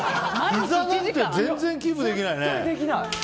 ひざなんか全然キープできないよね。